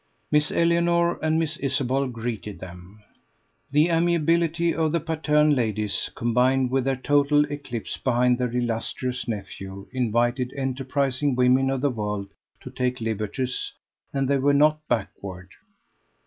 Miss Eleanor and Miss Isabel greeted them. The amiability of the Patterne ladies combined with their total eclipse behind their illustrious nephew invited enterprising women of the world to take liberties, and they were not backward.